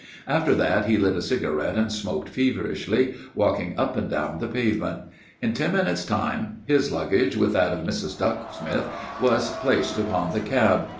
After that he lit a cigarette and smoked feverishly, walking up and down the pavement. In ten minutes' time his luggage with that of Mrs. Ducksmith was placed upon the cab.